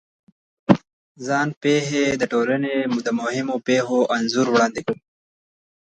ځان پېښې د ټولنې د مهمو پېښو انځور وړاندې کوي.